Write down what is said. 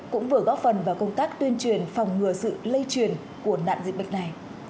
cũng vừa góp phần vào công tác tuyên truyền phòng ngừa sự lây truyền của nạn dịch bệnh này